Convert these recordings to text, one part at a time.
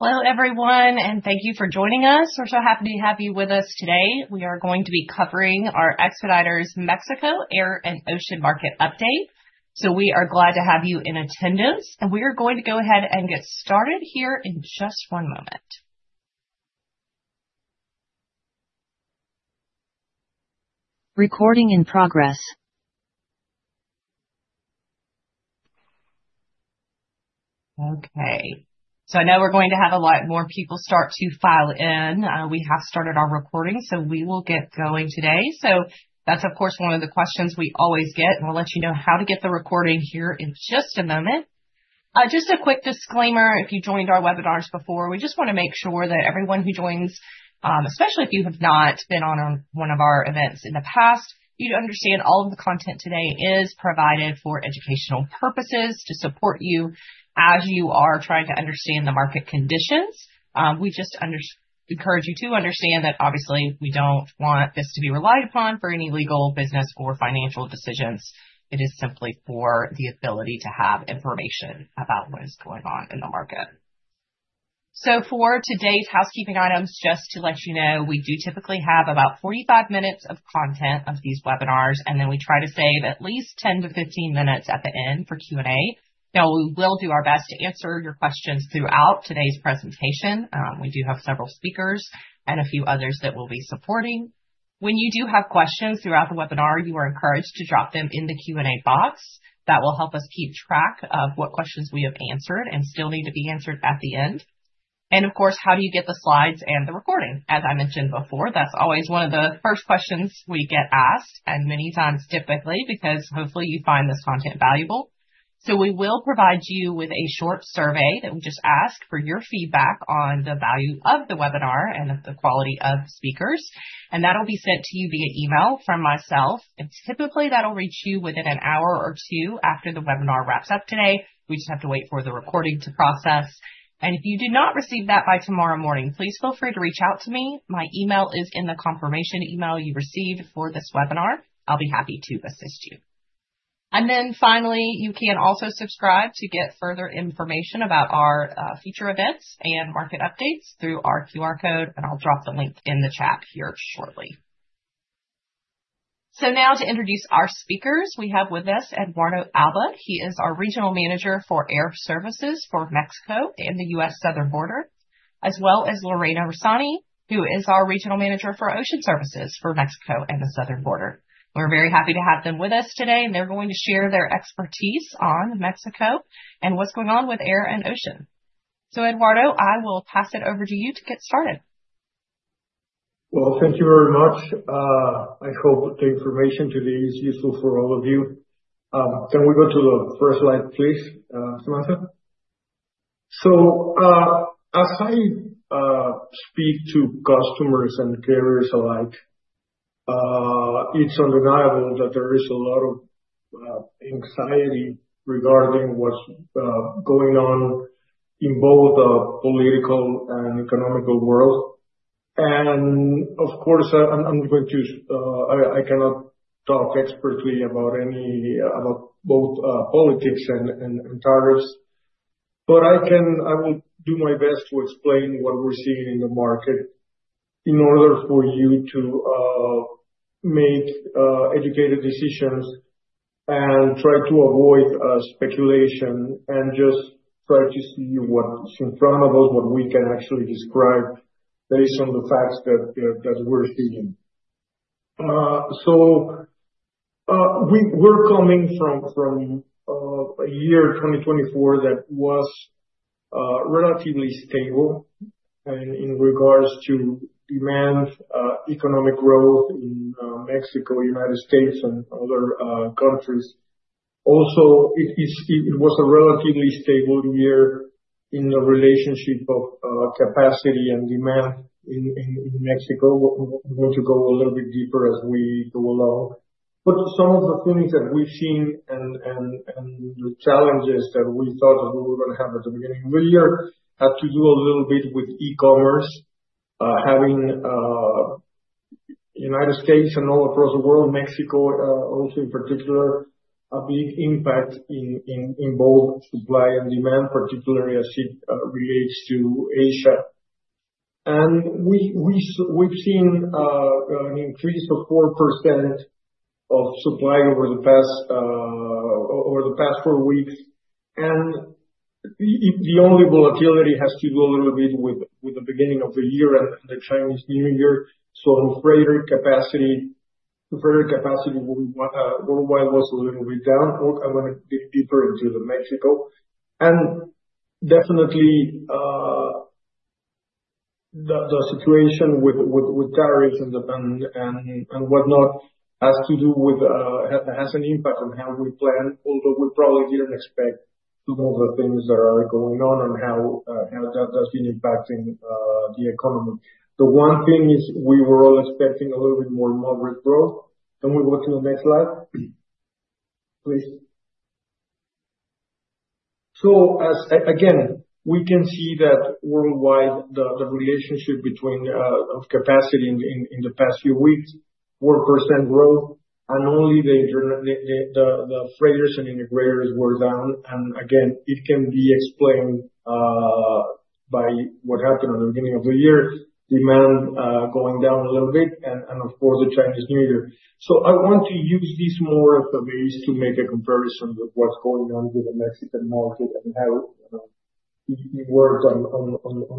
Hello, everyone, and thank you for joining us. We're so happy to have you with us today. We are going to be covering our Expeditors' Mexico Air and Ocean Market update. We are glad to have you in attendance, and we are going to go ahead and get started here in just one moment. Recording in progress. Okay. I know we're going to have a lot more people start to file in. We have started our recording, so we will get going today. That is, of course, one of the questions we always get, and we'll let you know how to get the recording here in just a moment. Just a quick disclaimer, if you joined our webinars before, we just want to make sure that everyone who joins, especially if you have not been on one of our events in the past, you understand all of the content today is provided for educational purposes to support you as you are trying to understand the market conditions. We just encourage you to understand that, obviously, we do not want this to be relied upon for any legal, business, or financial decisions. It is simply for the ability to have information about what is going on in the market. For today's housekeeping items, just to let you know, we do typically have about 45 minutes of content of these webinars, and then we try to save at least 10 to 15 minutes at the end for Q&A. Now, we will do our best to answer your questions throughout today's presentation. We do have several speakers and a few others that will be supporting. When you do have questions throughout the webinar, you are encouraged to drop them in the Q&A box. That will help us keep track of what questions we have answered and still need to be answered at the end. Of course, how do you get the slides and the recording? As I mentioned before, that's always one of the first questions we get asked, and many times typically because hopefully you find this content valuable. We will provide you with a short survey that we just ask for your feedback on the value of the webinar and of the quality of speakers. That'll be sent to you via email from myself. Typically, that'll reach you within an hour or two after the webinar wraps up today. We just have to wait for the recording to process. If you do not receive that by tomorrow morning, please feel free to reach out to me. My email is in the confirmation email you received for this webinar. I'll be happy to assist you. Finally, you can also subscribe to get further information about our future events and market updates through our QR code, and I'll drop the link in the chat here shortly. Now to introduce our speakers, we have with us Eduardo Alba. He is our Regional Manager for Air Services for Mexico and the U.S. Southern Border, as well as Lorena Rosani, who is our Regional Manager for Ocean Services for Mexico and the Southern Border. We're very happy to have them with us today, and they're going to share their expertise on Mexico and what's going on with air and ocean. Eduardo, I will pass it over to you to get started. Thank you very much. I hope the information today is useful for all of you. Can we go to the first slide, please, Samantha? As I speak to customers and carriers alike, it's undeniable that there is a lot of anxiety regarding what's going on in both the political and economic world. Of course, I cannot talk expertly about both politics and tariffs, but I will do my best to explain what we're seeing in the market in order for you to make educated decisions and try to avoid speculation and just try to see what's in front of us, what we can actually describe based on the facts that we're seeing. We're coming from a year 2024 that was relatively stable in regards to demand, economic growth in Mexico, United States, and other countries. Also, it was a relatively stable year in the relationship of capacity and demand in Mexico. We're going to go a little bit deeper as we go along. Some of the things that we've seen and the challenges that we thought that we were going to have at the beginning of the year had to do a little bit with e-commerce, having the United States and all across the world, Mexico also in particular, a big impact in both supply and demand, particularly as it relates to Asia. We've seen an increase of 4% of supply over the past four weeks. The only volatility has to do a little bit with the beginning of the year and the Chinese New Year. The further capacity worldwide was a little bit down. I'm going to dig deeper into the Mexico. Definitely, the situation with tariffs and whatnot has to do with—has an impact on how we plan, although we probably did not expect some of the things that are going on and how that has been impacting the economy. The one thing is we were all expecting a little bit more moderate growth. Can we go to the next slide? Please. Again, we can see that worldwide, the relationship between capacity in the past few weeks 4% growth, and only the freighters and integrators were down. Again, it can be explained by what happened at the beginning of the year, demand going down a little bit, and of course, the Chinese New Year. I want to use this more as a base to make a comparison with what's going on with the Mexican market and how it worked in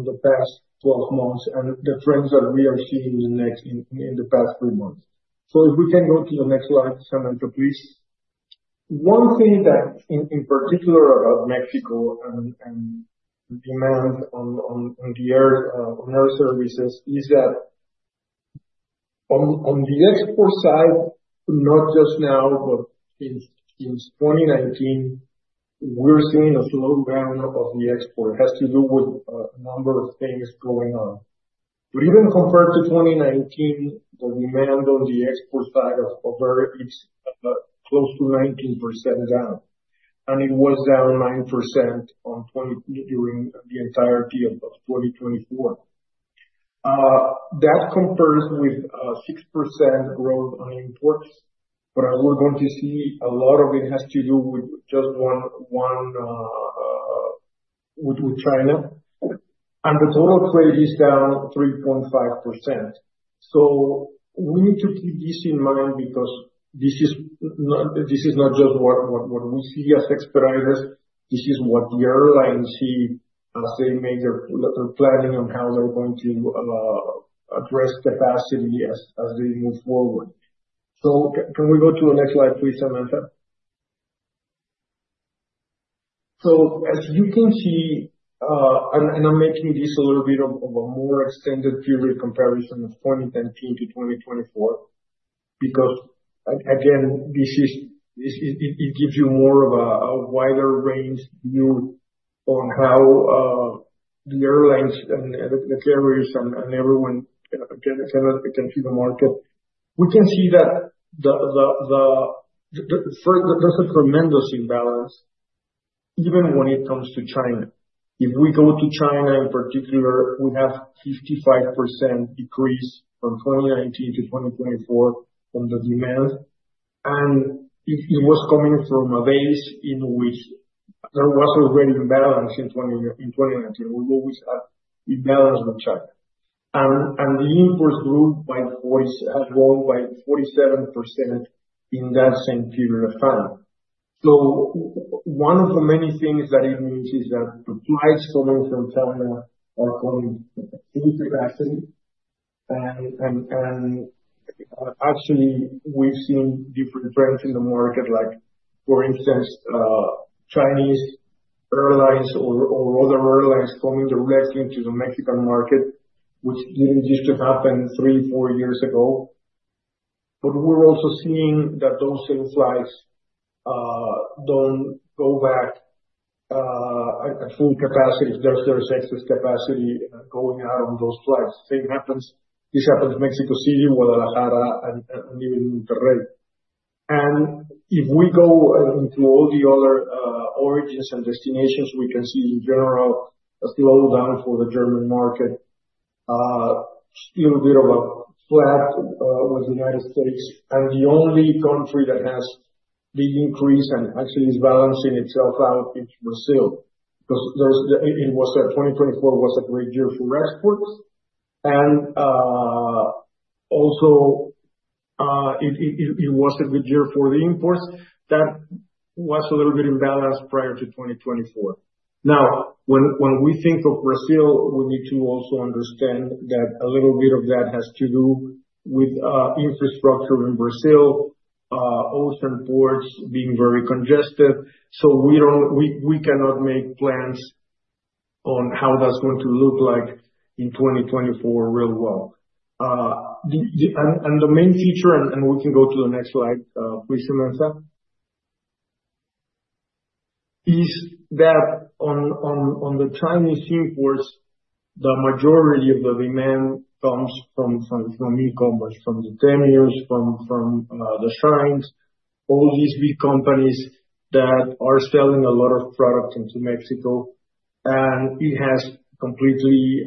the past 12 months and the trends that we are seeing in the past three months. If we can go to the next slide, Samantha, please. One thing in particular about Mexico and demand on the Air Services is that on the export side, not just now, but since 2019, we're seeing a slowdown of the export. It has to do with a number of things going on. Even compared to 2019, the demand on the export side of air is close to 19% down. It was down 9% during the entirety of 2024. That compares with 6% growth on imports. As we're going to see, a lot of it has to do with just one with China. The total trade is down 3.5%. We need to keep this in mind because this is not just what we see as Expeditors. This is what the airlines see as they make their planning on how they're going to address capacity as they move forward. Can we go to the next slide, please, Samantha? As you can see, and I'm making this a little bit of a more extended period comparison of 2019 to 2024 because, again, it gives you more of a wider range view on how the airlines and the carriers and everyone can see the market. We can see that there's a tremendous imbalance even when it comes to China. If we go to China in particular, we have a 55% decrease from 2019 to 2024 on the demand. It was coming from a base in which there was already imbalance in 2019. We've always had imbalance with China. The imports grew by 47% in that same period of time. One of the many things that it means is that supplies coming from China are coming in production. Actually, we've seen different trends in the market, like, for instance, Chinese airlines or other airlines coming directly into the Mexican market, which did not just happen three, four years ago. We are also seeing that those same flights do not go back at full capacity. There is excess capacity going out on those flights. This happens in Mexico City, Guadalajara, and even Monterrey. If we go into all the other origins and destinations, we can see in general a slowdown for the German market, a little bit of a flat with the United States. The only country that has been increased and actually is balancing itself out is Brazil because 2024 was a great year for exports. Also, it was a good year for the imports. That was a little bit imbalanced prior to 2024. Now, when we think of Brazil, we need to also understand that a little bit of that has to do with infrastructure in Brazil, ocean ports being very congested. We cannot make plans on how that's going to look like in 2024 real well. The main feature, and we can go to the next slide, please, Samantha, is that on the Chinese imports, the majority of the demand comes from e-commerce, from the Temus, from the Sheins, all these big companies that are selling a lot of product into Mexico. It has completely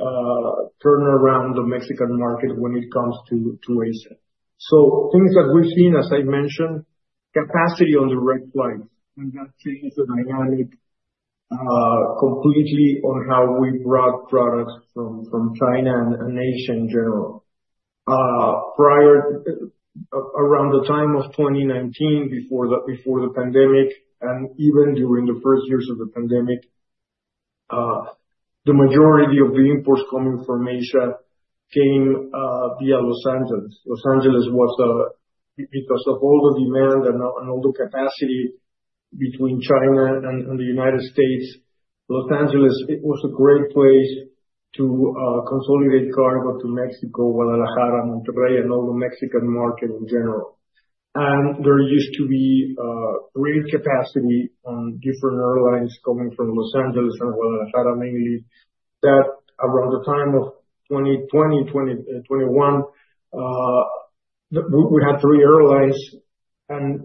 turned around the Mexican market when it comes to APAC. Things that we've seen, as I mentioned, capacity on the freighters has changed the dynamic completely on how we brought products from China and Asia in general. Around the time of 2019, before the pandemic, and even during the first years of the pandemic, the majority of the imports coming from Asia came via Los Angeles. Los Angeles was, because of all the demand and all the capacity between China and the United States, Los Angeles was a great place to consolidate cargo to Mexico, Guadalajara, Monterrey, and all the Mexican market in general. There used to be great capacity on different airlines coming from Los Angeles and Guadalajara, mainly that around the time of 2020, 2021, we had three airlines, and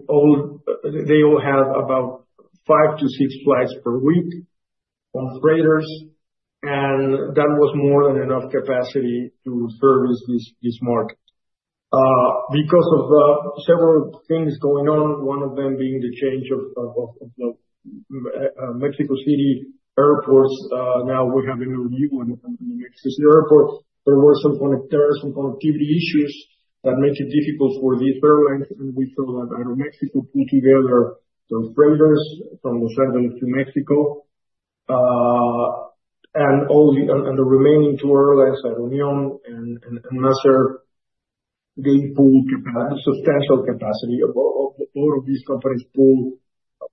they all had about five to six flights per week on freighters. That was more than enough capacity to service this market. Because of several things going on, one of them being the change of Mexico City airports. Now we have a new one in the Mexico City airport. There were some connectivity issues that make it difficult for these airlines. We saw that Aeromexico pulled together the freighters from Los Angeles to Mexico. The remaining two airlines, AeroUnion and MasAir, they pulled substantial capacity. A lot of these companies pulled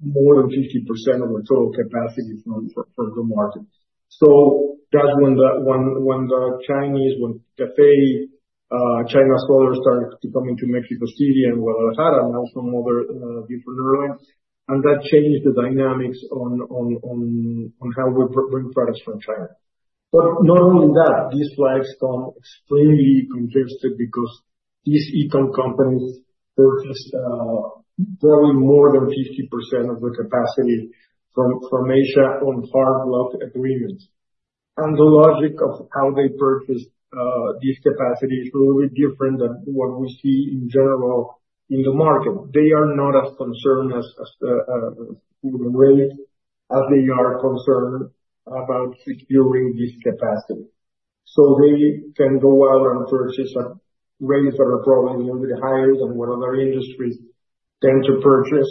more than 50% of the total capacity from the market. That is when the Chinese, when Cathay, China Southern started to come into Mexico City and Guadalajara and now some other different airlines. That changed the dynamics on how we bring products from China. Not only that, these flights come extremely congested because these e-com companies purchased probably more than 50% of the capacity from Asia on hard block agreements. The logic of how they purchased this capacity is a little bit different than what we see in general in the market. They are not as concerned as the freight as they are concerned about securing this capacity. They can go out and purchase at rates that are probably a little bit higher than what other industries tend to purchase.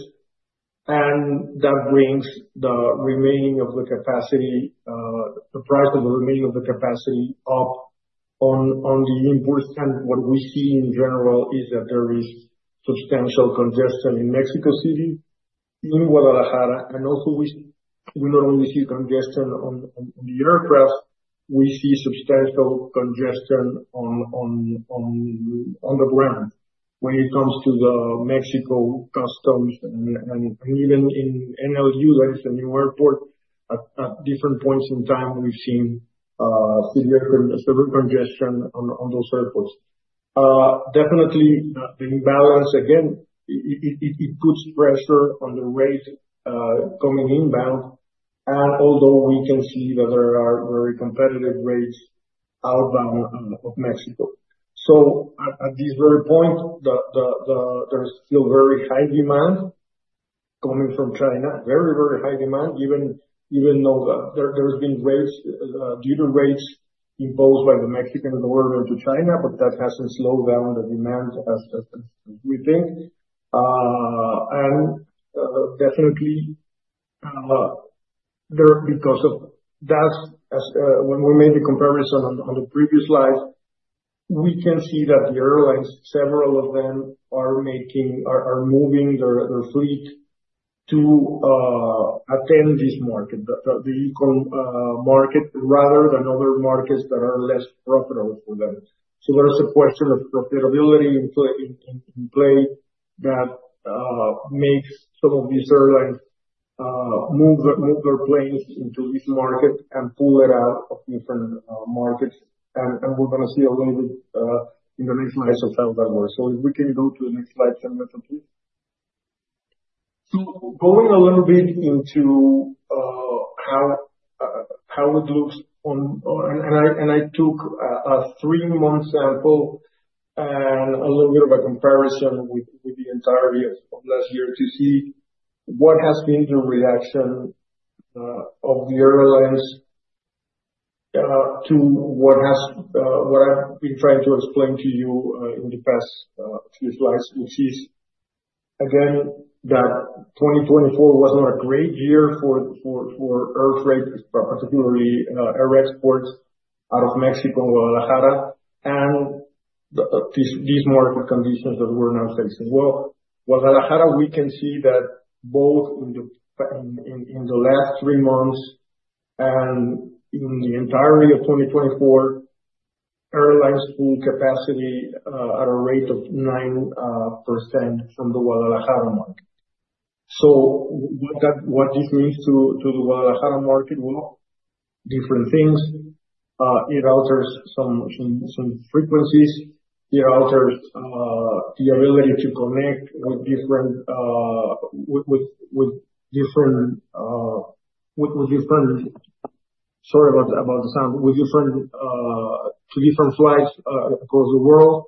That brings the remaining of the capacity, the price of the remaining of the capacity up on the inputs. What we see in general is that there is substantial congestion in Mexico City, in Guadalajara, and also we not only see congestion on the aircraft, we see substantial congestion on the ground when it comes to the Mexico Customs. Even in NLU, that is a new airport, at different points in time, we've seen severe congestion on those airports. Definitely, the imbalance, again, it puts pressure on the rate coming inbound. Although we can see that there are very competitive rates outbound of Mexico. At this very point, there's still very high demand coming from China, very, very high demand, even though there's been rates due to rates imposed by the Mexican government to China, but that hasn't slowed down the demand, as we think. Definitely, because of that, when we made the comparison on the previous slides, we can see that the airlines, several of them, are moving their fleet to attend this market, the e-com market, rather than other markets that are less profitable for them. There's a question of profitability in play that makes some of these airlines move their planes into this market and pull it out of different markets. We're going to see a little bit in the next slides of how that works. If we can go to the next slide, Samantha, please. Going a little bit into how it looks on, and I took a three-month sample and a little bit of a comparison with the entirety of last year to see what has been the reaction of the airlines to what I've been trying to explain to you in the past few slides, which is, again, that 2024 was not a great year for air freight, particularly air exports out of Mexico and Guadalajara, and these market conditions that we're now facing. Guadalajara, we can see that both in the last three months and in the entirety of 2024, airlines pulled capacity at a rate of 9% from the Guadalajara market. What this means to the Guadalajara market, well, different things. It alters some frequencies. It alters the ability to connect with different—sorry about the sound—to different flights across the world.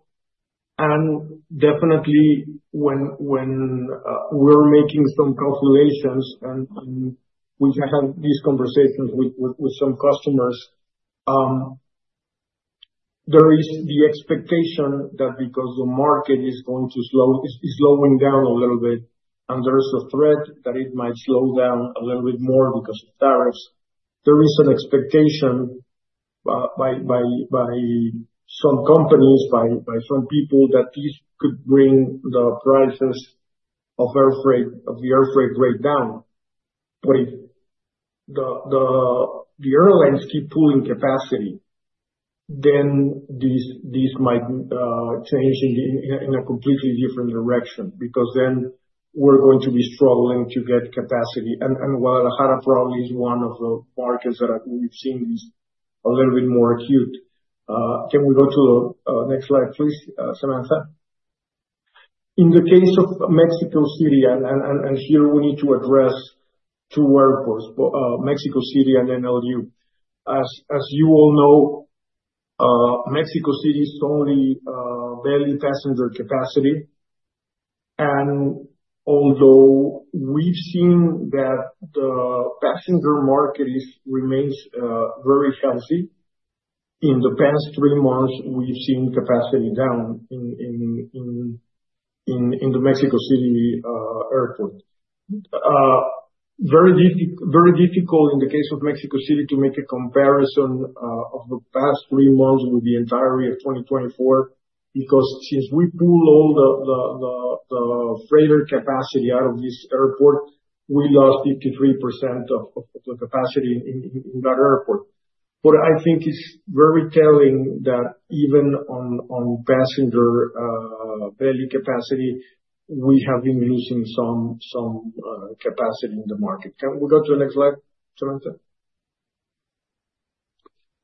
Definitely, when we're making some calculations, and we have had these conversations with some customers, there is the expectation that because the market is slowing down a little bit, and there's a threat that it might slow down a little bit more because of tariffs, there is an expectation by some companies, by some people, that this could bring the prices of the air freight rate down. If the airlines keep pulling capacity, then this might change in a completely different direction because then we're going to be struggling to get capacity. Guadalajara probably is one of the markets that we've seen is a little bit more acute. Can we go to the next slide, please, Samantha? In the case of Mexico City, and here we need to address two airports, Mexico City and NLU. As you all know, Mexico City is only daily passenger capacity. Although we've seen that the passenger market remains very healthy, in the past three months, we've seen capacity down in the Mexico City airport. Very difficult in the case of Mexico City to make a comparison of the past three months with the entirety of 2024 because since we pulled all the freighter capacity out of this airport, we lost 53% of the capacity in that airport. I think it's very telling that even on passenger daily capacity, we have been losing some capacity in the market. Can we go to the next slide, Samantha?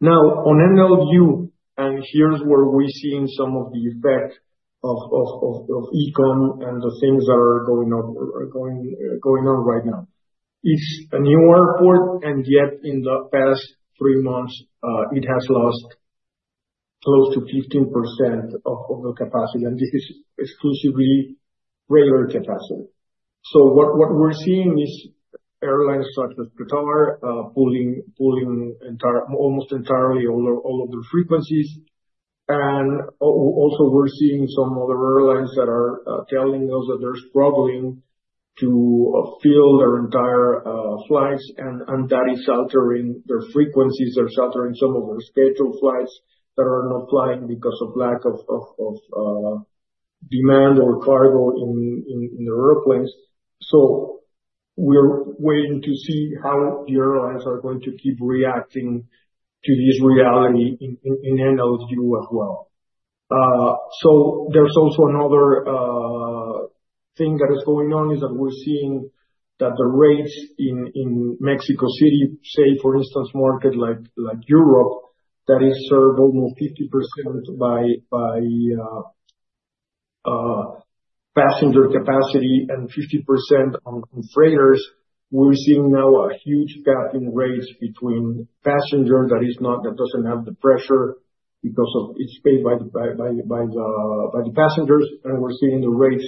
Now, on NLU, and here's where we're seeing some of the effect of e-com and the things that are going on right now. It's a new airport, and yet in the past three months, it has lost close to 15% of the capacity. This is exclusively freighter capacity. What we're seeing is airlines such as Qatar pulling almost entirely all of their frequencies. Also, we're seeing some other airlines that are telling us that they're struggling to fill their entire flights, and that is altering their frequencies. They're sheltering some of their scheduled flights that are not flying because of lack of demand or cargo in the airplanes. We're waiting to see how the airlines are going to keep reacting to this reality in NLU as well. There's also another thing that is going on is that we're seeing that the rates in Mexico City, say, for instance, market like Europe, that is served almost 50% by passenger capacity and 50% on freighters. We're seeing now a huge gap in rates between passenger that doesn't have the pressure because it's paid by the passengers. We're seeing the rates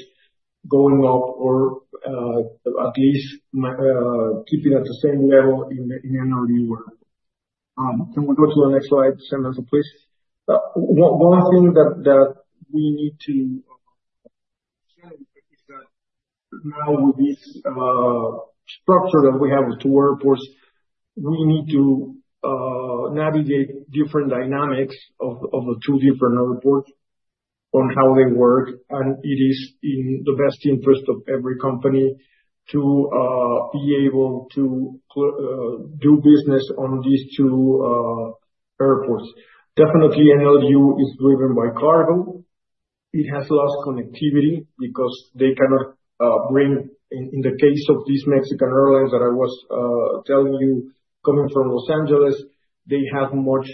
going up or at least keeping at the same level in NLU. Can we go to the next slide, Samantha, please? One thing that we need to consider is that now with this structure that we have with two airports, we need to navigate different dynamics of the two different airports on how they work. It is in the best interest of every company to be able to do business on these two airports. Definitely, NLU is driven by cargo. It has lost connectivity because they cannot bring, in the case of these Mexican airlines that I was telling you coming from Los Angeles, they have much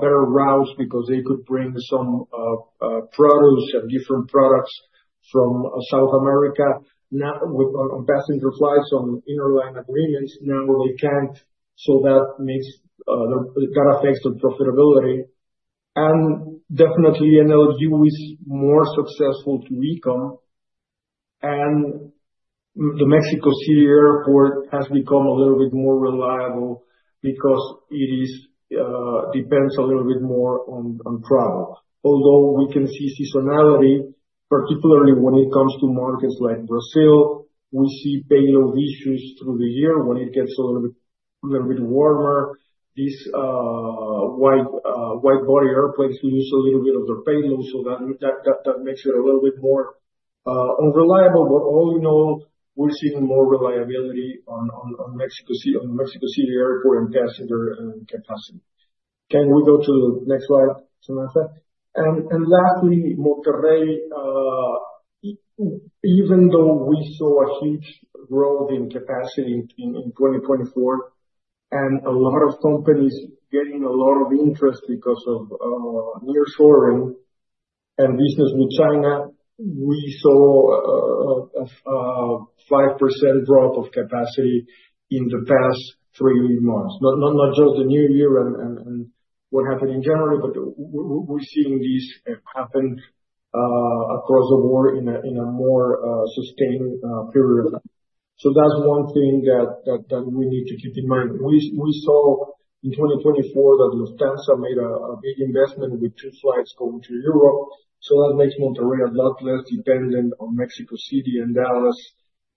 better routes because they could bring some produce and different products from South America. Now, on passenger flights, on interline agreements, now they can't. That affects their profitability. Definitely, NLU is more successful to e-com. The Mexico City airport has become a little bit more reliable because it depends a little bit more on travel. Although we can see seasonality, particularly when it comes to markets like Brazil, we see payload issues through the year. When it gets a little bit warmer, these wide-body airplanes lose a little bit of their payload. That makes it a little bit more unreliable. All in all, we're seeing more reliability on Mexico City airport and passenger capacity. Can we go to the next slide, Samantha? Lastly, Monterrey, even though we saw a huge growth in capacity in 2024, and a lot of companies getting a lot of interest because of nearshoring and business with China, we saw a 5% drop of capacity in the past three months. Not just the new year and what happened in January, but we're seeing this happen across the board in a more sustained period. That is one thing that we need to keep in mind. We saw in 2024 that Lufthansa made a big investment with two flights going to Europe. That makes Monterrey a lot less dependent on Mexico City and Dallas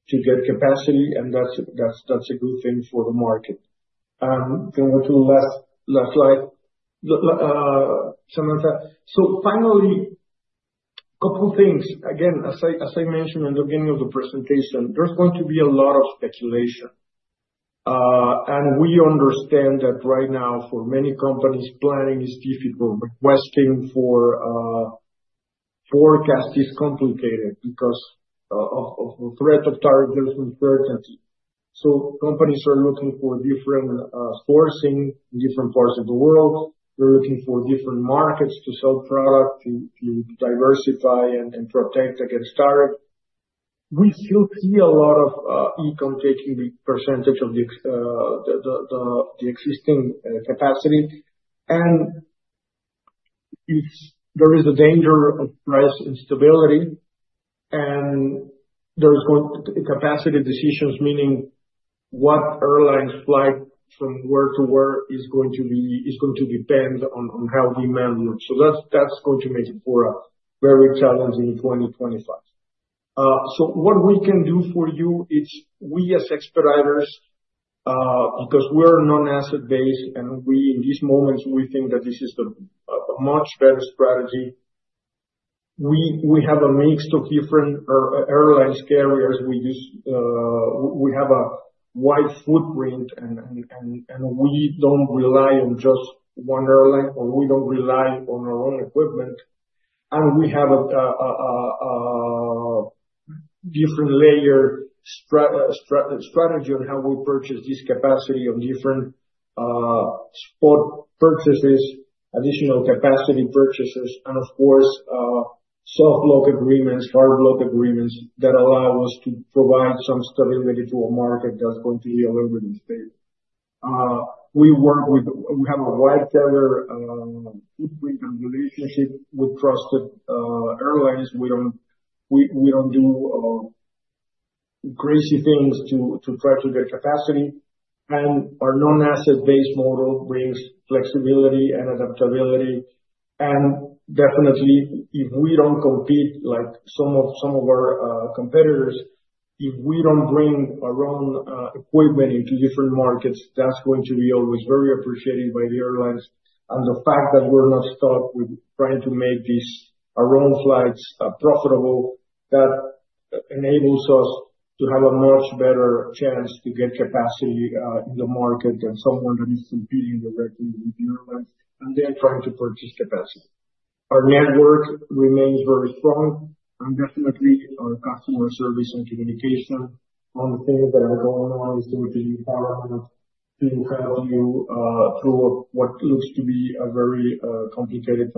to get capacity. That is a good thing for the market. Can we go to the last slide, Samantha? Finally, a couple of things. Again, as I mentioned at the beginning of the presentation, there's going to be a lot of speculation. We understand that right now, for many companies, planning is difficult. Requesting for forecasts is complicated because of the threat of tariff, there's uncertainty. Companies are looking for different sourcing in different parts of the world. They're looking for different markets to sell product, to diversify and protect against tariff. We still see a lot of e-com taking the percentage of the existing capacity. There is a danger of price instability. There are going to be capacity decisions, meaning what airlines fly from where to where is going to depend on how demand looks. That is going to make it for us very challenging in 2025. What we can do for you is we, as Expeditors, because we're non-asset-based, and in these moments, we think that this is a much better strategy. We have a mix of different airlines carriers. We have a wide footprint, and we don't rely on just one airline, or we don't rely on our own equipment. We have a different layer strategy on how we purchase this capacity on different spot purchases, additional capacity purchases, and, of course, soft block agreements, hard lock agreements that allow us to provide some stability to a market that's going to be a little bit unstable. We have a wide-tailored footprint and relationship with trusted airlines. We don't do crazy things to try to get capacity. Our non-asset-based model brings flexibility and adaptability. Definitely, if we don't compete like some of our competitors, if we don't bring our own equipment into different markets, that's going to be always very appreciated by the airlines. The fact that we're not stuck with trying to make our own flights profitable, that enables us to have a much better chance to get capacity in the market than someone that is competing directly with the airlines and then trying to purchase capacity. Our network remains very strong. Definitely, our customer service and communication on the things that are going on is going to be paramount to help you through what looks to be a very complicated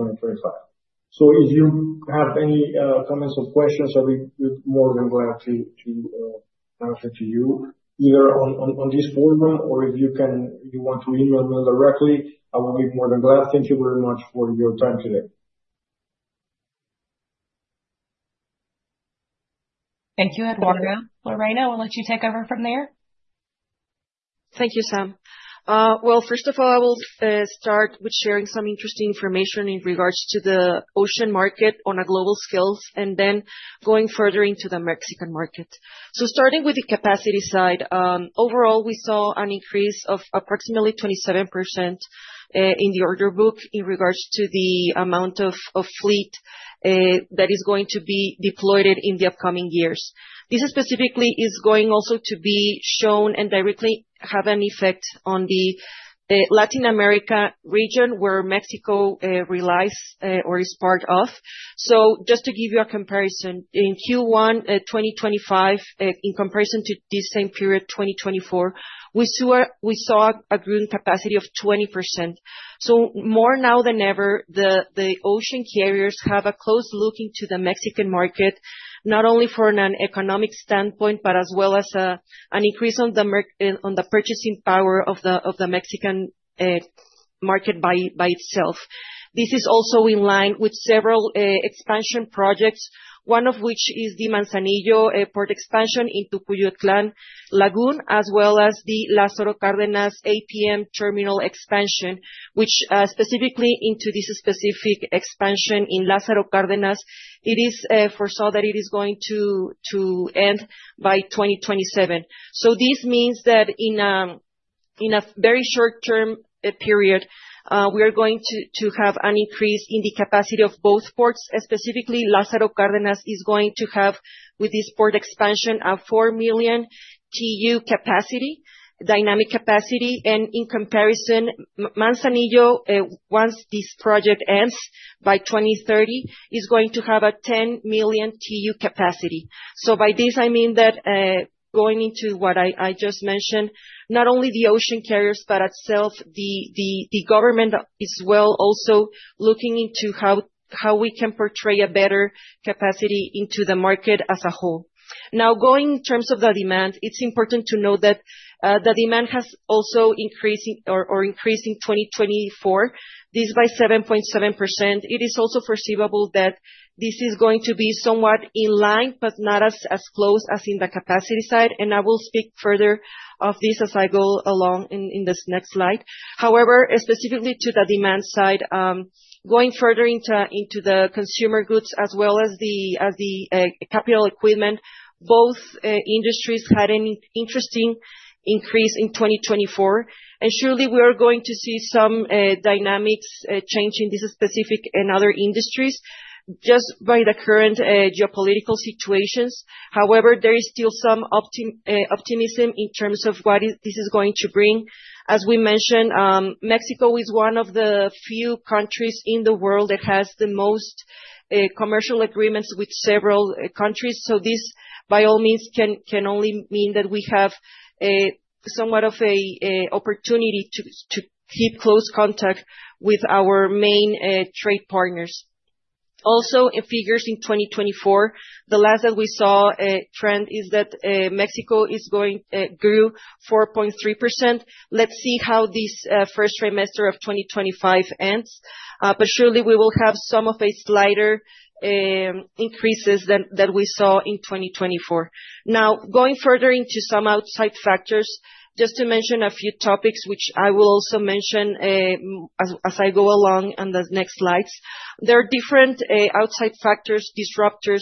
2025. If you have any comments or questions, I'll be more than glad to answer to you either on this forum or if you want to email me directly, I will be more than glad. Thank you very much for your time today. Thank you, Eduardo. Lorena, we'll let you take over from there. Thank you, Sam. First of all, I will start with sharing some interesting information in regards to the ocean market on a global scale, and then going further into the Mexican market. Starting with the capacity side, overall, we saw an increase of approximately 27% in the order book in regards to the amount of fleet that is going to be deployed in the upcoming years. This specifically is going also to be shown and directly have an effect on the Latin America region where Mexico relies or is part of. Just to give you a comparison, in Q1 2025, in comparison to the same period, 2024, we saw a growing capacity of 20%. More now than ever, the ocean carriers have a close look into the Mexican market, not only from an economic standpoint, but as well as an increase on the purchasing power of the Mexican market by itself. This is also in line with several expansion projects, one of which is the Manzanillo Port expansion into Cuyutlán Lagoon, as well as the Lázaro Cárdenas APM terminal expansion, which specifically into this specific expansion in Lázaro Cárdenas. It is foresaw that it is going to end by 2027. This means that in a very short-term period, we are going to have an increase in the capacity of both ports. Specifically, Lázaro Cárdenas is going to have, with this port expansion, a 4 million TEU capacity, dynamic capacity. In comparison, Manzanillo, once this project ends by 2030, is going to have a 10 million TEU capacity. By this, I mean that going into what I just mentioned, not only the ocean carriers, but itself, the government as well, also looking into how we can portray a better capacity into the market as a whole. Now, going in terms of the demand, it's important to note that the demand has also increased in 2024. This is by 7.7%. It is also foreseeable that this is going to be somewhat in line, but not as close as in the capacity side. I will speak further of this as I go along in this next slide. However, specifically to the demand side, going further into the consumer goods as well as the capital equipment, both industries had an interesting increase in 2024. Surely, we are going to see some dynamics change in this specific and other industries just by the current geopolitical situations. However, there is still some optimism in terms of what this is going to bring. As we mentioned, Mexico is one of the few countries in the world that has the most commercial agreements with several countries. This, by all means, can only mean that we have somewhat of an opportunity to keep close contact with our main trade partners. Also, in figures in 2024, the last that we saw trend is that Mexico grew 4.3%. Let's see how this first trimester of 2025 ends. Surely, we will have some of a slighter increases than we saw in 2024. Now, going further into some outside factors, just to mention a few topics, which I will also mention as I go along on the next slides. There are different outside factors, disruptors,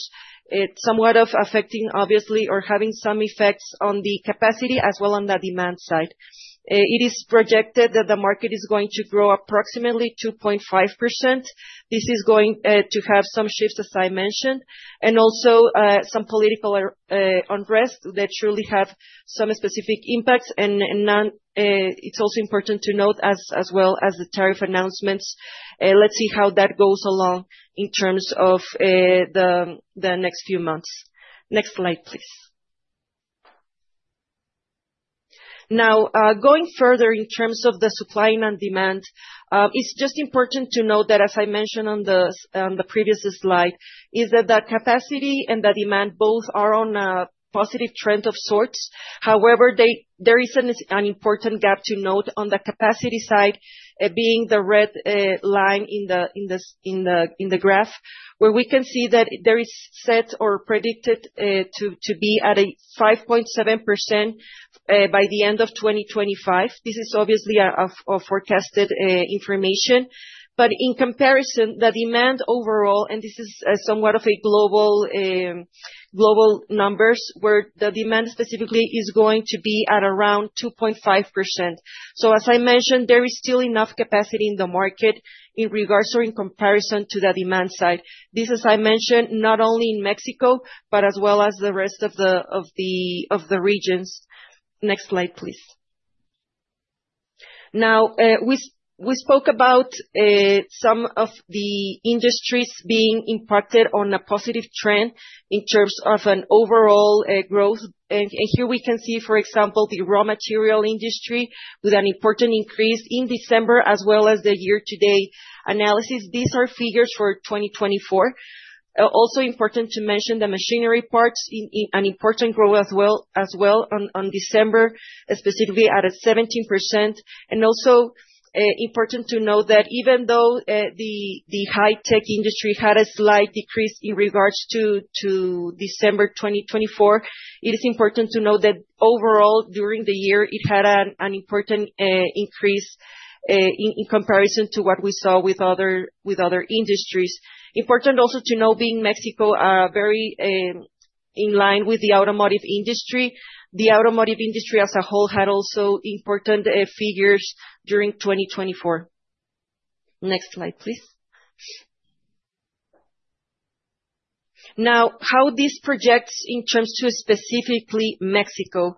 somewhat of affecting, obviously, or having some effects on the capacity as well on the demand side. It is projected that the market is going to grow approximately 2.5%. This is going to have some shifts, as I mentioned, and also some political unrest that surely have some specific impacts. It is also important to note, as well as the tariff announcements, let's see how that goes along in terms of the next few months. Next slide, please. Now, going further in terms of the supply and demand, it is just important to note that, as I mentioned on the previous slide, the capacity and the demand both are on a positive trend of sorts. However, there is an important gap to note on the capacity side, being the red line in the graph, where we can see that there is set or predicted to be at a 5.7% by the end of 2025. This is obviously forecasted information. In comparison, the demand overall, and this is somewhat of a global numbers, where the demand specifically is going to be at around 2.5%. As I mentioned, there is still enough capacity in the market in regards or in comparison to the demand side. This is, as I mentioned, not only in Mexico, but as well as the rest of the regions. Next slide, please. Now, we spoke about some of the industries being impacted on a positive trend in terms of an overall growth. Here we can see, for example, the raw material industry with an important increase in December, as well as the year-to-date analysis. These are figures for 2024. Also important to mention the machinery parts, an important growth as well on December, specifically at a 17%. Also important to note that even though the high-tech industry had a slight decrease in regards to December 2024, it is important to note that overall, during the year, it had an important increase in comparison to what we saw with other industries. It is important also to note, being Mexico very in line with the automotive industry, the automotive industry as a whole had also important figures during 2024. Next slide, please. Now, how this projects in terms to specifically Mexico.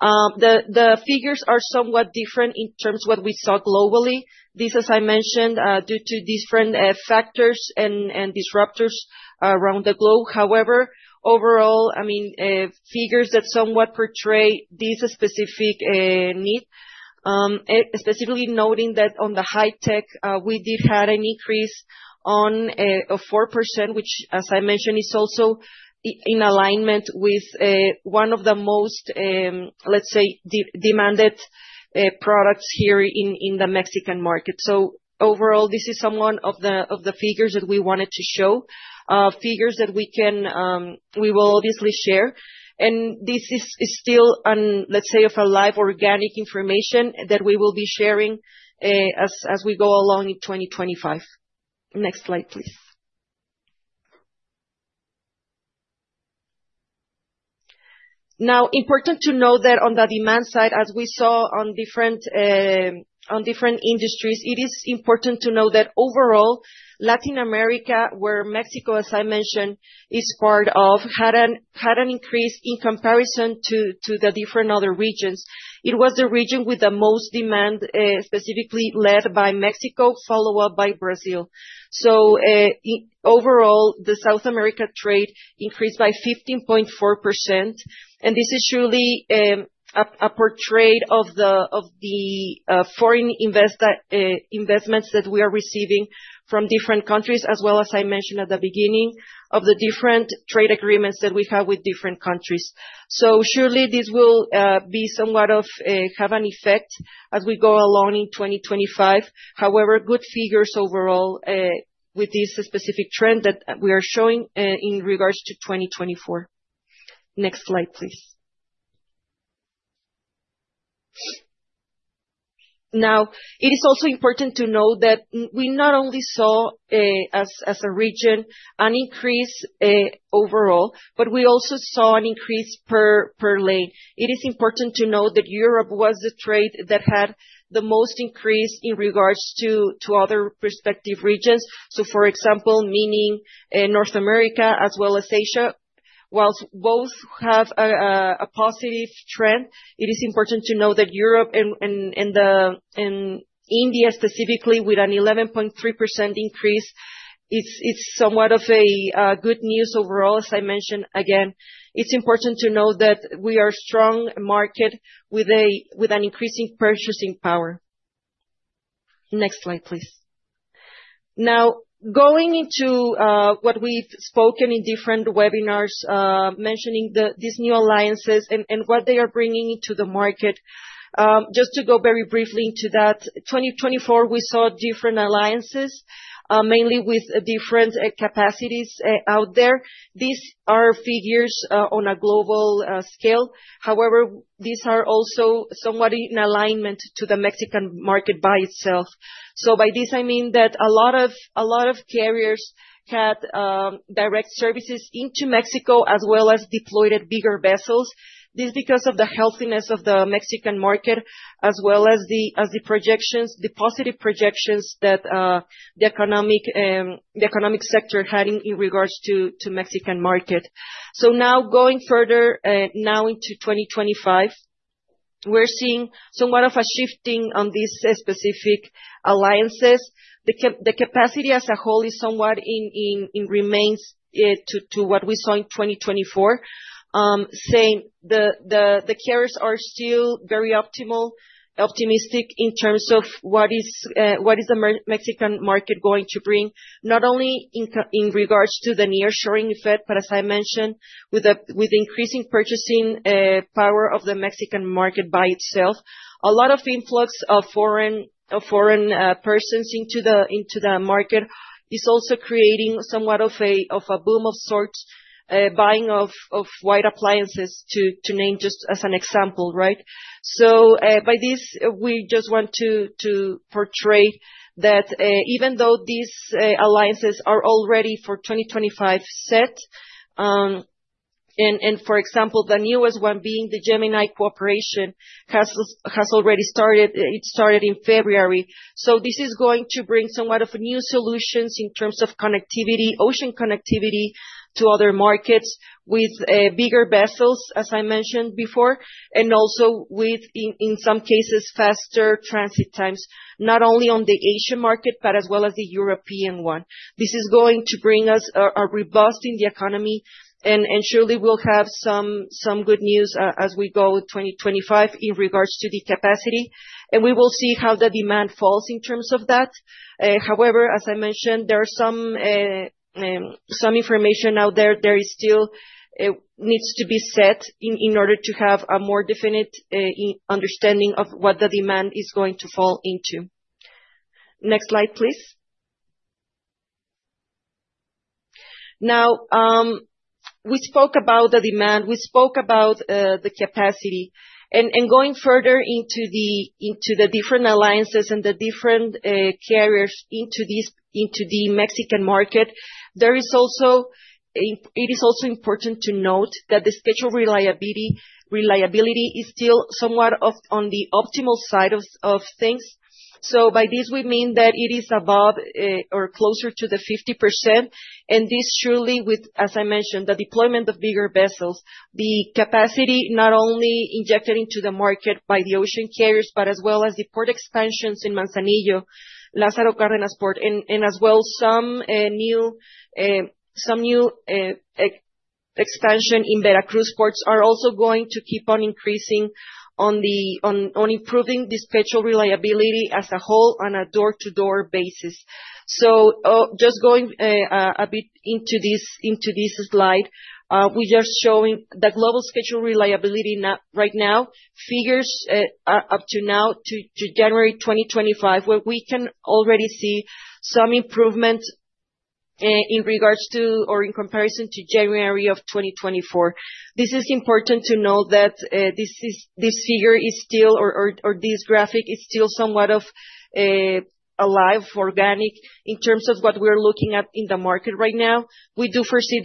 The figures are somewhat different in terms of what we saw globally. This, as I mentioned, due to different factors and disruptors around the globe. However, overall, I mean, figures that somewhat portray this specific need, specifically noting that on the high-tech, we did have an increase of 4%, which, as I mentioned, is also in alignment with one of the most, let's say, demanded products here in the Mexican market. Overall, this is someone of the figures that we wanted to show, figures that we will obviously share. This is still, let's say, of a live organic information that we will be sharing as we go along in 2025. Next slide, please. Now, important to note that on the demand side, as we saw on different industries, it is important to note that overall, Latin America, where Mexico, as I mentioned, is part of, had an increase in comparison to the different other regions. It was the region with the most demand, specifically led by Mexico, followed by Brazil. Overall, the South America trade increased by 15.4%. This is surely a portrait of the foreign investments that we are receiving from different countries, as well, as I mentioned at the beginning, of the different trade agreements that we have with different countries. Surely, this will be somewhat of an effect as we go along in 2025. However, good figures overall with this specific trend that we are showing in regards to 2024. Next slide, please. Now, it is also important to note that we not only saw, as a region, an increase overall, but we also saw an increase per lane. It is important to note that Europe was the trade that had the most increase in regards to other prospective regions. For example, meaning North America as well as Asia. Whilst both have a positive trend, it is important to note that Europe and India, specifically with an 11.3% increase, is somewhat of a good news overall, as I mentioned. Again, it's important to note that we are a strong market with an increasing purchasing power. Next slide, please. Now, going into what we've spoken in different webinars, mentioning these new alliances and what they are bringing into the market, just to go very briefly into that, 2024, we saw different alliances, mainly with different capacities out there. These are figures on a global scale. However, these are also somewhat in alignment to the Mexican market by itself. By this, I mean that a lot of carriers had direct services into Mexico as well as deployed at bigger vessels. This is because of the healthiness of the Mexican market, as well as the positive projections that the economic sector had in regards to the Mexican market. Now, going further into 2025, we're seeing somewhat of a shifting on these specific alliances. The capacity as a whole somewhat remains to what we saw in 2024. The carriers are still very optimistic in terms of what is the Mexican market going to bring, not only in regards to the nearshoring effect, but as I mentioned, with the increasing purchasing power of the Mexican market by itself, a lot of influx of foreign persons into the market is also creating somewhat of a boom of sorts, buying of white appliances, to name just as an example, right? By this, we just want to portray that even though these alliances are already for 2025 set, and for example, the newest one being the Gemini Cooperation has already started. It started in February. This is going to bring somewhat of new solutions in terms of connectivity, ocean connectivity to other markets with bigger vessels, as I mentioned before, and also with, in some cases, faster transit times, not only on the Asian market, but as well as the European one. This is going to bring us a reboost in the economy. Surely, we'll have some good news as we go with 2025 in regards to the capacity. We will see how the demand falls in terms of that. However, as I mentioned, there is some information out there that still needs to be set in order to have a more definite understanding of what the demand is going to fall into. Next slide, please. Now, we spoke about the demand. We spoke about the capacity. Going further into the different alliances and the different carriers into the Mexican market, it is also important to note that the schedule reliability is still somewhat on the optimal side of things. By this, we mean that it is above or closer to the 50%. This surely, as I mentioned, the deployment of bigger vessels, the capacity not only injected into the market by the ocean carriers, but as well as the port expansions in Manzanillo, Lázaro Cárdenas Port, and as well some new expansion in Veracruz ports are also going to keep on increasing on improving this schedule reliability as a whole on a door-to-door basis. Just going a bit into this slide, we are showing the global schedule reliability right now figures up to now to January 2025, where we can already see some improvement in regards to or in comparison to January of 2024. This is important to note that this figure is still, or this graphic is still somewhat of a live, organic in terms of what we are looking at in the market right now. We do foresee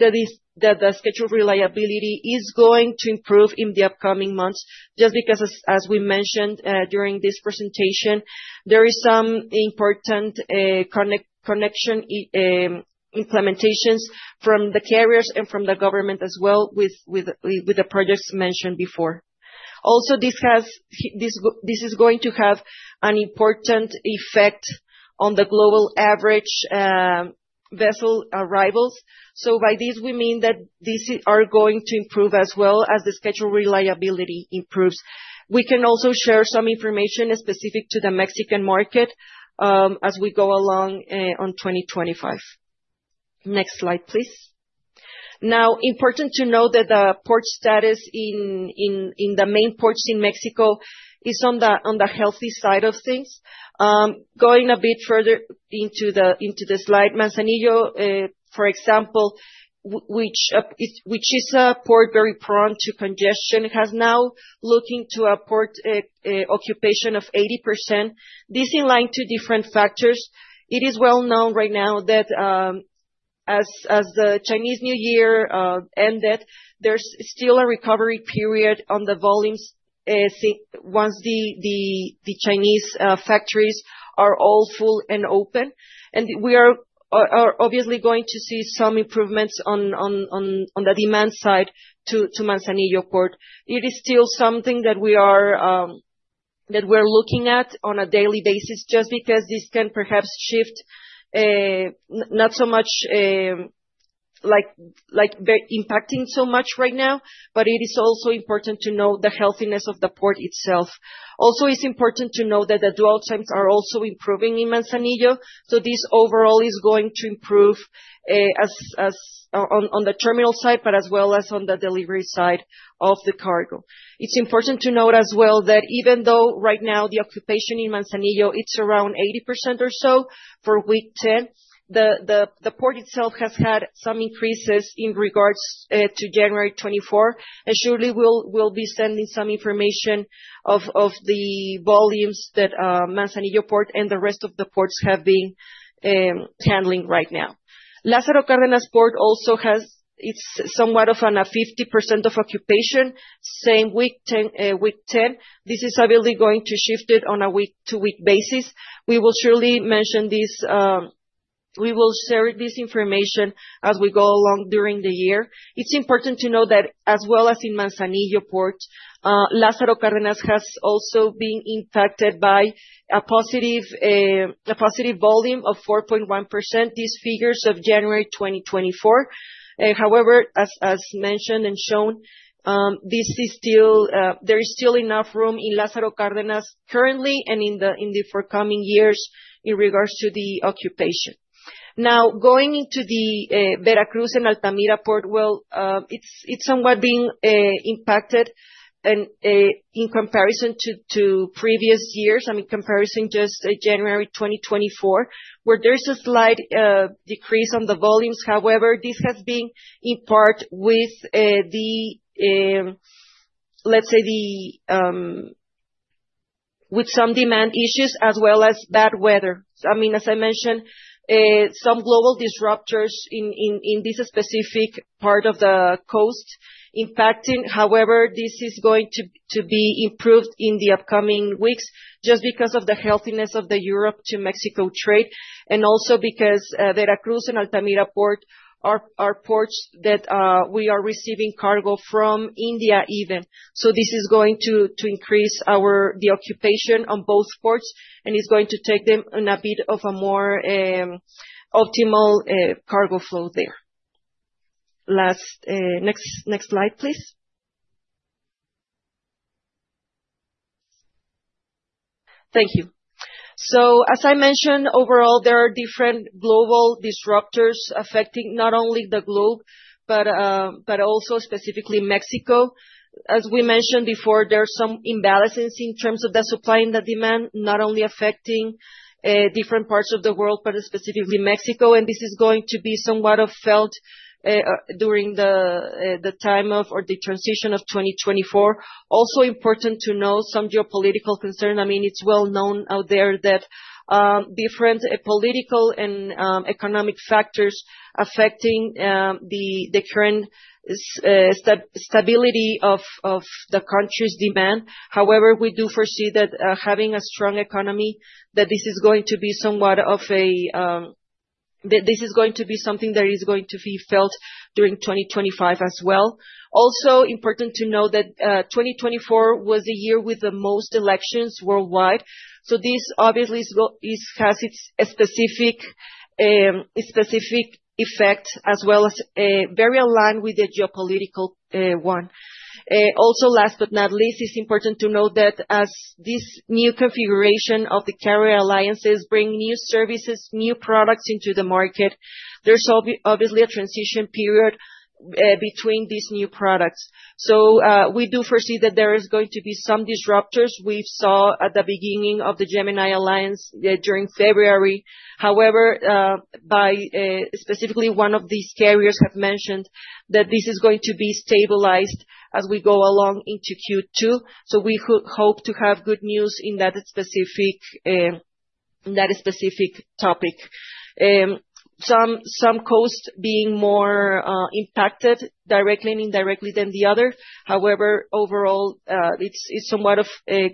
that the schedule reliability is going to improve in the upcoming months, just because, as we mentioned during this presentation, there is some important connection implementations from the carriers and from the government as well with the projects mentioned before. Also, this is going to have an important effect on the global average vessel arrivals. By this, we mean that these are going to improve as well as the schedule reliability improves. We can also share some information specific to the Mexican market as we go along on 2025. Next slide, please. Now, important to note that the port status in the main ports in Mexico is on the healthy side of things. Going a bit further into the slide, Manzanillo, for example, which is a port very prone to congestion, has now looking to a port occupation of 80%. This is in line to different factors. It is well known right now that as the Chinese New Year ended, there's still a recovery period on the volumes once the Chinese factories are all full and open. We are obviously going to see some improvements on the demand side to Manzanillo Port. It is still something that we are looking at on a daily basis, just because this can perhaps shift not so much impacting so much right now, but it is also important to note the healthiness of the port itself. Also, it's important to note that the dwell times are also improving in Manzanillo. This overall is going to improve on the terminal side, as well as on the delivery side of the cargo. It's important to note as well that even though right now the occupation in Manzanillo, it's around 80% or so for week 10, the port itself has had some increases in regards to January 2024. Surely, we'll be sending some information of the volumes that Manzanillo Port and the rest of the ports have been handling right now. Lázaro Cárdenas Port also has somewhat of a 50% of occupation. Same week 10, this is obviously going to shift on a week-to-week basis. We will surely mention this. We will share this information as we go along during the year. It's important to note that as well as in Manzanillo Port, Lázaro Cárdenas has also been impacted by a positive volume of 4.1%. These figures of January 2024. However, as mentioned and shown, there is still enough room in Lázaro Cárdenas currently and in the forecoming years in regards to the occupation. Now, going into the Veracruz and Altamira port, it's somewhat been impacted in comparison to previous years. I mean, comparison just January 2024, where there's a slight decrease on the volumes. However, this has been in part with the, let's say, with some demand issues as well as bad weather. I mean, as I mentioned, some global disruptors in this specific part of the coast impacting. However, this is going to be improved in the upcoming weeks just because of the healthiness of the Europe to Mexico trade and also because Veracruz and Altamira port are ports that we are receiving cargo from India even. This is going to increase the occupation on both ports and is going to take them in a bit of a more optimal cargo flow there. Next slide, please. Thank you. As I mentioned, overall, there are different global disruptors affecting not only the globe, but also specifically Mexico. As we mentioned before, there are some imbalances in terms of the supply and the demand, not only affecting different parts of the world, but specifically Mexico. This is going to be somewhat felt during the time of or the transition of 2024. Also important to note some geopolitical concerns. I mean, it's well known out there that different political and economic factors are affecting the current stability of the country's demand. However, we do foresee that having a strong economy, this is going to be something that is going to be felt during 2025 as well. Also, important to note that 2024 was the year with the most elections worldwide. This, obviously, has its specific effect as well as very aligned with the geopolitical one. Last but not least, it's important to note that as this new configuration of the carrier alliances brings new services, new products into the market, there's obviously a transition period between these new products. We do foresee that there is going to be some disruptors. We saw at the beginning of the Gemini alliance during February. However, specifically, one of these carriers has mentioned that this is going to be stabilized as we go along into Q2. We hope to have good news in that specific topic. Some coasts being more impacted directly and indirectly than the other. However, overall, it's somewhat of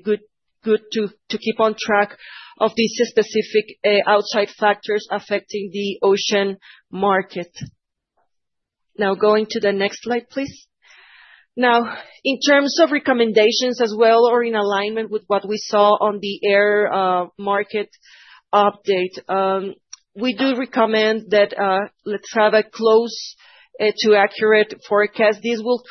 good to keep on track of these specific outside factors affecting the ocean market. Now, going to the next slide, please. Now, in terms of recommendations as well or in alignment with what we saw on the air market update, we do recommend that let's have a close to accurate forecast. This will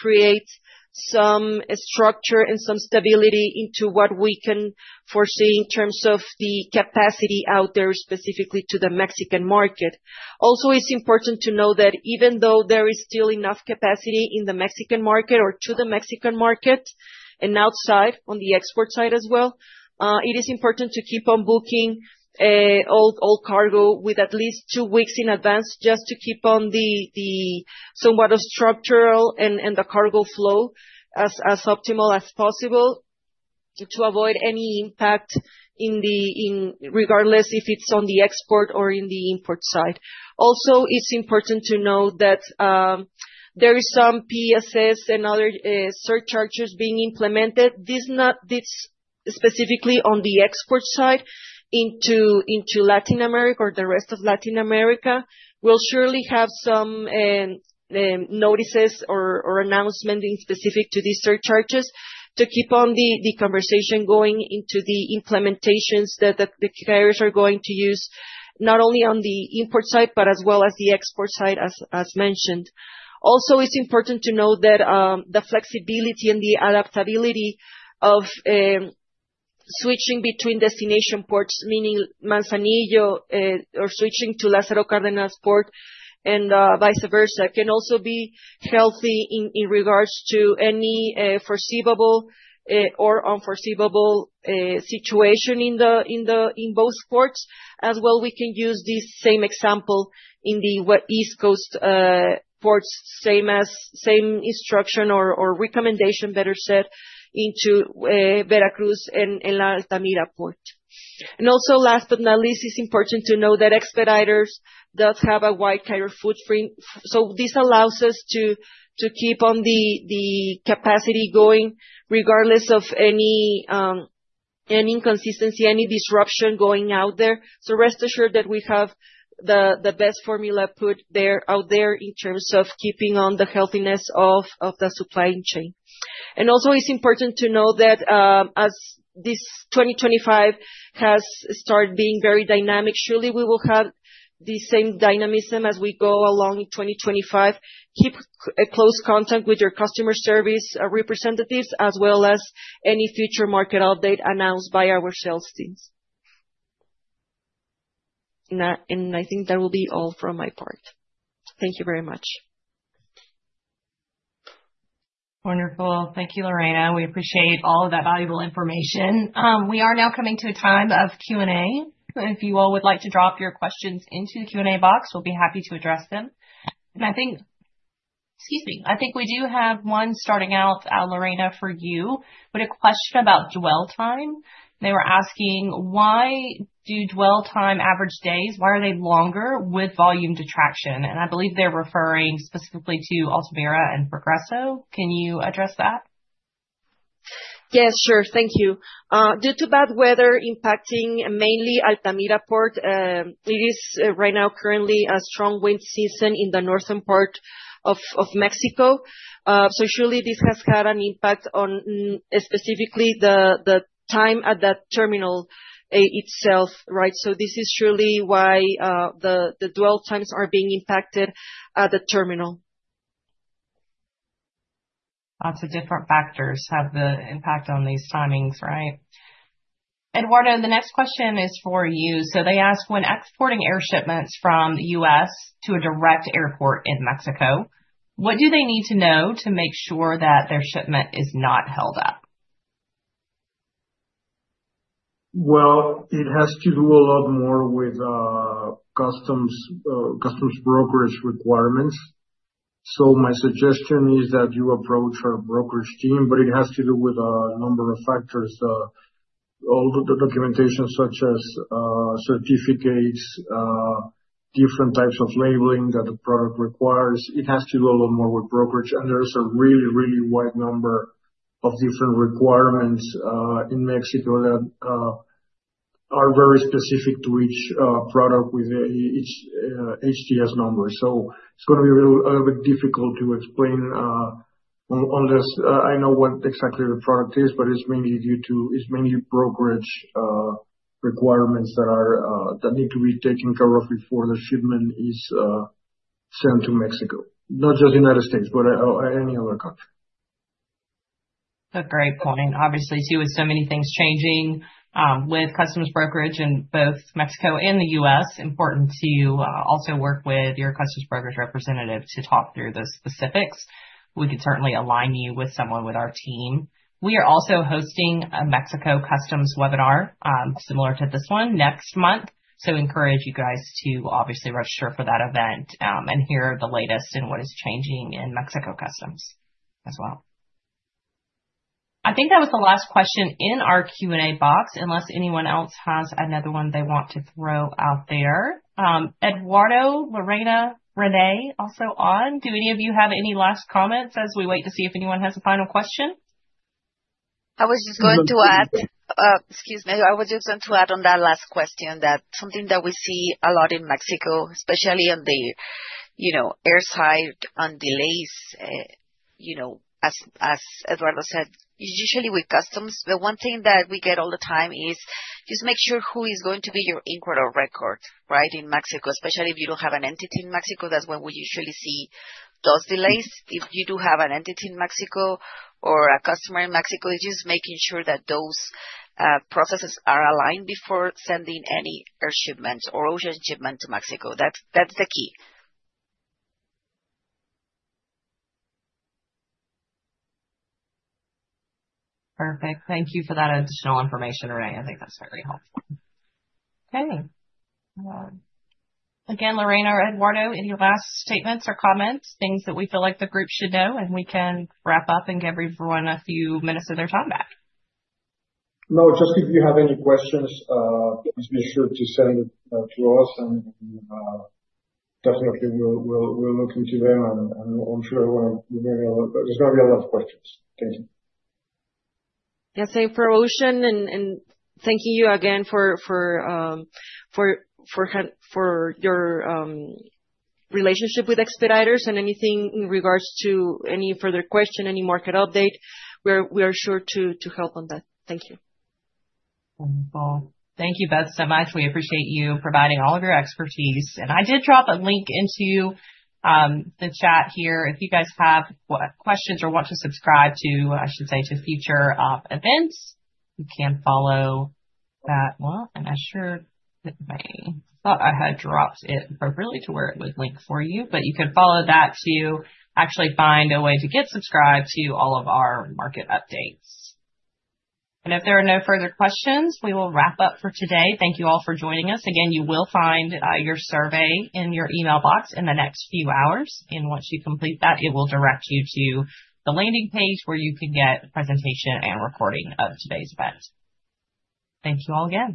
create some structure and some stability into what we can foresee in terms of the capacity out there specifically to the Mexican market. Also, it's important to note that even though there is still enough capacity in the Mexican market or to the Mexican market and outside on the export side as well, it is important to keep on booking all cargo with at least two weeks in advance just to keep on the somewhat of structural and the cargo flow as optimal as possible to avoid any impact regardless if it's on the export or in the import side. Also, it's important to note that there are some PSS and other surcharges being implemented. This specifically on the export side into Latin America or the rest of Latin America. We'll surely have some notices or announcements specific to these surcharges to keep on the conversation going into the implementations that the carriers are going to use not only on the import side, but as well as the export side, as mentioned. Also, it's important to note that the flexibility and the adaptability of switching between destination ports, meaning Manzanillo or switching to Lázaro Cárdenas Port and vice versa, can also be healthy in regards to any foreseeable or unforeseeable situation in both ports. As well, we can use this same example in the East Coast ports, same instruction or recommendation, better said, into Veracruz and Altamira Port. Last but not least, it's important to note that Expeditors does have a wide carrier footprint. This allows us to keep on the capacity going regardless of any inconsistency, any disruption going out there. Rest assured that we have the best formula put out there in terms of keeping on the healthiness of the supply chain. It is also important to note that as this 2025 has started being very dynamic, surely we will have the same dynamism as we go along in 2025. Keep close contact with your customer service representatives as well as any future market update announced by our sales teams. I think that will be all from my part. Thank you very much. Wonderful. Thank you, Lorena. We appreciate all of that valuable information. We are now coming to a time of Q&A. If you all would like to drop your questions into the Q&A box, we'll be happy to address them. I think, excuse me, I think we do have one starting out, Lorena, for you, but a question about dwell time. They were asking, why do dwell time average days, why are they longer with volume detraction? I believe they're referring specifically to Altamira and Progreso. Can you address that? Yes, sure. Thank you. Due to bad weather impacting mainly Altamira Port, it is right now currently a strong wind season in the northern part of Mexico. This has had an impact on specifically the time at the terminal itself, right? This is why the dwell times are being impacted at the terminal. Lots of different factors have the impact on these timings, right? Eduardo, the next question is for you. They ask, when exporting air shipments from the U.S. to a direct airport in Mexico, what do they need to know to make sure that their shipment is not held up? It has to do a lot more with customs brokerage requirements. My suggestion is that you approach our brokerage team, but it has to do with a number of factors. All the documentation, such as certificates, different types of labeling that the product requires. It has to do a lot more with brokerage. There is a really, really wide number of different requirements in Mexico that are very specific to each product with each HTS number. It is going to be a little bit difficult to explain unless I know what exactly the product is, but it is mainly due to brokerage requirements that need to be taken care of before the shipment is sent to Mexico. Not just the United States, but any other country. That's a great point. Obviously, too, with so many things changing with customs brokerage in both Mexico and the U.S., it's important to also work with your customs brokerage representative to talk through those specifics. We can certainly align you with someone with our team. We are also hosting a Mexico Customs webinar similar to this one next month. I encourage you guys to obviously register for that event and hear the latest in what is changing in Mexico Customs as well. I think that was the last question in our Q&A box, unless anyone else has another one they want to throw out there. Eduardo, Lorena, Renee, also on. Do any of you have any last comments as we wait to see if anyone has a final question? I was just going to add, excuse me, I was just going to add on that last question that something that we see a lot in Mexico, especially on the airside on delays, as Eduardo said, usually with customs, the one thing that we get all the time is just make sure who is going to be your Importer of Record, right, in Mexico, especially if you don't have an entity in Mexico. That's when we usually see those delays. If you do have an entity in Mexico or a customer in Mexico, it's just making sure that those processes are aligned before sending any air shipment or ocean shipment to Mexico. That's the key. Perfect. Thank you for that additional information, Renee. I think that's very helpful. Okay. Again, Lorena or Eduardo, any last statements or comments, things that we feel like the group should know, and we can wrap up and give everyone a few minutes of their time back. No, just if you have any questions, please be sure to send it to us, and definitely we'll look into them, and I'm sure there's going to be a lot of questions. Thank you. Yeah, same for ocean, and thank you again for your relationship with Expeditors and anything in regards to any further question, any market update. We are sure to help on that. Thank you. Thank you both so much. We appreciate you providing all of your expertise. I did drop a link into the chat here. If you guys have questions or want to subscribe to, I should say, to future events, you can follow that. I thought I had dropped it appropriately to where it would link for you, but you can follow that to actually find a way to get subscribed to all of our market updates. If there are no further questions, we will wrap up for today. Thank you all for joining us. Again, you will find your survey in your email box in the next few hours. Once you complete that, it will direct you to the landing page where you can get a presentation and recording of today's event. Thank you all again.